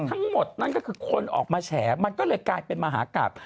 ทั้งหมดนั่นก็คือคนออกมาแฉมันก็เลยกลายเป็นมหากราบ